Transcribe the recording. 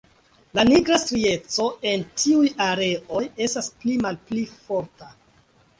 La nigra strieco en tiuj areoj estas pli malpli forta.